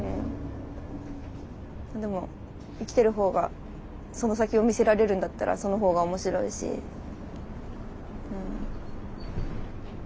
でも生きてる方がその先を見せられるんだったらその方が面白いしうん。